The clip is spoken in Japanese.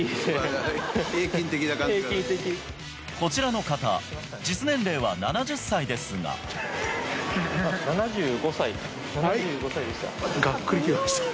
こちらの方実年齢は７０歳ですが紊世辰燭薀轡腑